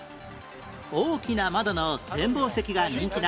大きな窓の展望席が人気な